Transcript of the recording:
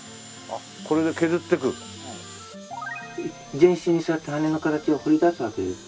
全身にそうやって羽の形を彫り出すわけです。